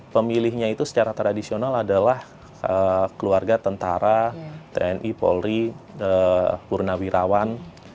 pemilihnya itu secara tradisional adalah keluarga tentara tni polri purnawirawan